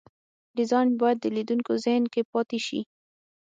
ډیزاین باید د لیدونکو ذهن کې پاتې شي.